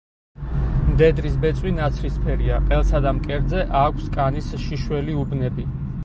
მდედრის ბეწვი ნაცრისფერია, ყელსა და მკერდზე აქვს კანის შიშველი უბნები.